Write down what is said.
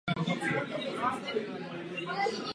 Na Moravě se tento druh pravděpodobně nevyskytuje.